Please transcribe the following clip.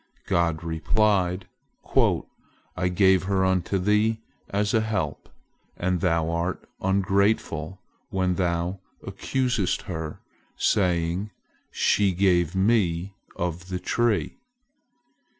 God replied: "I gave her unto thee as a help, and thou art ungrateful when thou accusest her, saying, 'She gave me of the tree.'